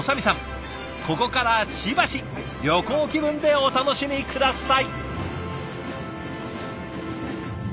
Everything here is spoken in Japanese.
ここからしばし旅行気分でお楽しみ下さい。